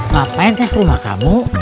ngapain teh rumah kamu